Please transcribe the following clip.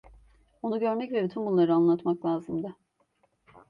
Onu görmek ve bütün bunları anlatmak lazımdı.